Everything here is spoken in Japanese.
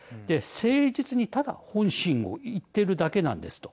誠実に、ただ本心を言ってるだけなんですと。